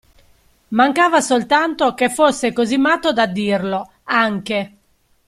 Mancava soltanto che fosse così matto da dirlo, anche!